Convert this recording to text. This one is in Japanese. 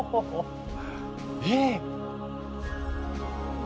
えっ！